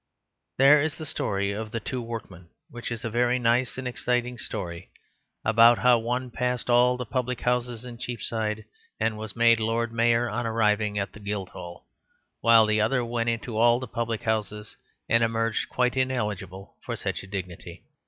There is the story of the Two Workmen, which is a very nice and exciting story, about how one passed all the public houses in Cheapside and was made Lord Mayor on arriving at the Guildhall, while the other went into all the public houses and emerged quite ineligible for such a dignity.